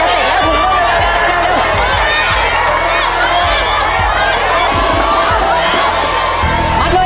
เร็วเร็วเร็ว